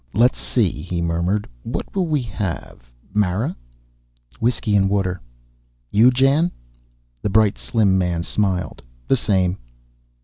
"Let's see," he murmured. "What will we have? Mara?" "Whiskey and water." "You, Jan?" The bright slim man smiled. "The same."